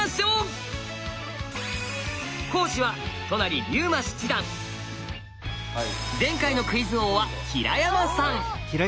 講師は前回のクイズ王は平山さん！